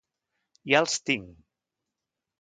Ja els tinc!